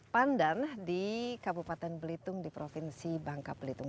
pandan di kabupaten belitung di provinsi bangka belitung